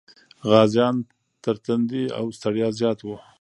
غازيان تر تندې او ستړیا زیات و.